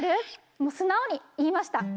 もう素直に言いました。